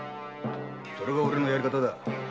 それが俺のやり方だ。